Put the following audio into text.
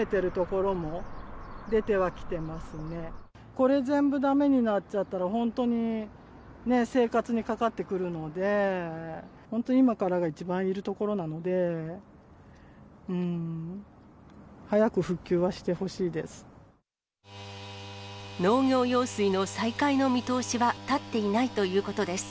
これ全部だめになっちゃったら、本当に生活にかかってくるので、本当に今からが一番いるところなので、早く復旧はしてほしいです。